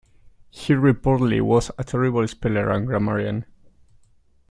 He reportedly was a terrible speller and grammarian.